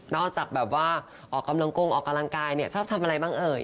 นอกจากออกกำลังกงออกกำลังกายชอบทำอะไรบ้าง